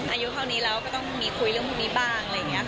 อายุเท่านี้เราก็ต้องมีคุยเรื่องพวกนี้บ้าง